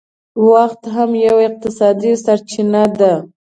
وخت هم یو اقتصادي سرچینه ده